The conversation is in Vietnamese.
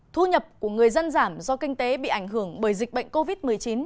thu nhập của người dân giảm do kinh tế bị ảnh hưởng bởi dịch bệnh covid một mươi chín